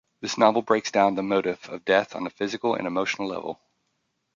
This novel breaks down the motif of death on a physical and emotional level.